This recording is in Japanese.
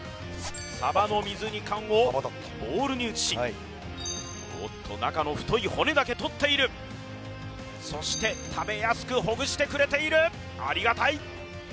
さばの水煮缶をボウルに移しおっと中の太い骨だけ取っているそして食べやすくほぐしてくれているありがたい